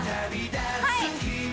はい！